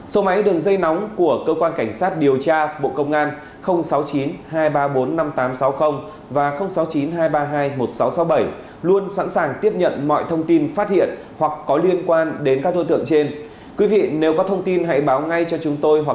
số máy đường dây nóng của cơ quan cảnh sát điều tra bộ công an sáu mươi chín nghìn hai trăm ba mươi ba